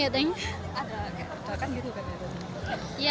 ada ledakan gitu kan ya